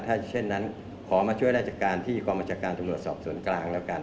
ถ้าเช่นนั้นขอมาช่วยราชการที่กองบัญชาการตำรวจสอบสวนกลางแล้วกัน